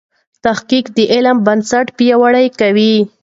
تحقیق د علم بنسټ پیاوړی کوي.